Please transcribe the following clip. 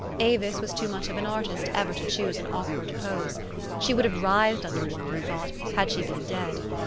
Avis was too much of an artist ever to choose an awkward pose : she would have writhed under one, he thought, had she been dead.